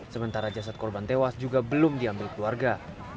sementara jasad korban tewas juga belum diambil keluarga